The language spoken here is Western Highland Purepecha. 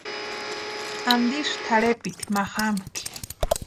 ¿Antisï tʼarhepiti ma jamakʼi?